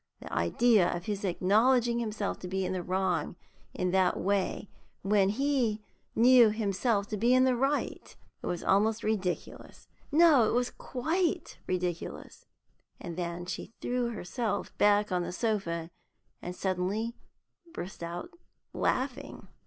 The idea of his acknowledging himself to be in the wrong in that way, when he knew himself to be in the right! It was almost ridiculous no, it was quite ridiculous! And she threw herself back on the sofa, and suddenly burst out laughing.